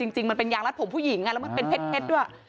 จริงมันเป็นยางรัดผมผู้หญิงแล้วมันเป็นเพชรด้วย